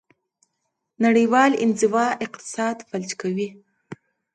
نړیوال انزوا اقتصاد فلج کوي.